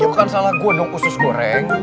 iya bukan salah gua dong khusus goreng